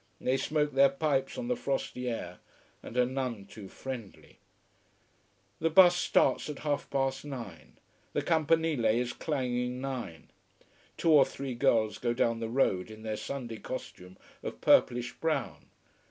They smoke their pipes on the frosty air, and are none too friendly. The bus starts at half past nine. The campanile is clanging nine. Two or three girls go down the road in their Sunday costume of purplish brown.